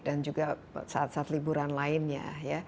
dan juga saat saat liburan lainnya